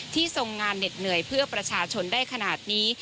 ทรงงานเหน็ดเหนื่อยเพื่อประชาชนได้ขนาดนี้